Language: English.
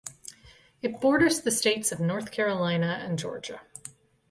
It borders the states of North Carolina and Georgia.